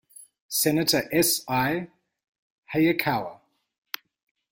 Senator S. I. Hayakawa.